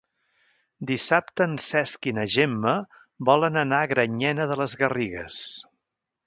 Dissabte en Cesc i na Gemma volen anar a Granyena de les Garrigues.